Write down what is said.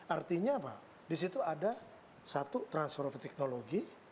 artinya apa disitu ada satu transfer of technology